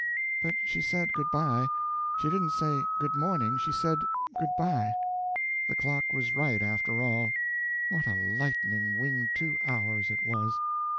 But she said good by. She didn't say good morning, she said good by! ... The clock was right, after all. What a lightning winged two hours it was!"